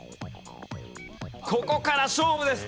ここから勝負です。